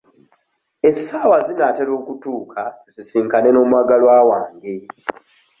Essaawa zinaatera okutuuka tusisinkane n'omwagalwa wange.